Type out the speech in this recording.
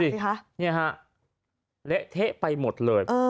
ดูดินี่ฮะเละเทะไปหมดเลย